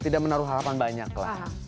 tidak menaruh harapan banyak lah